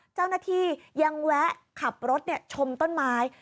เจ้าหน้าที่ยังแวะขับรถชมต้นไม้